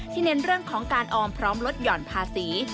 เน้นเรื่องของการออมพร้อมลดหย่อนภาษี